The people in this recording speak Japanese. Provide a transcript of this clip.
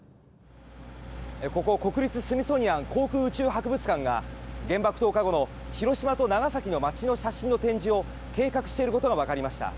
ここ国立スミソニアン航空宇宙博物館が原爆投下後の広島と長崎の町の写真の展示を計画していることがわかりました。